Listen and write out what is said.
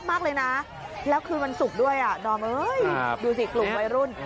มันสุขด้วยอ่ะดอมดูสิกลุ่มไว้รุ่น